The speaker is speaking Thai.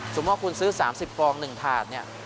สมมุติว่าคุณซื้อ๓๐ฟอง๑ถาดเนี่ย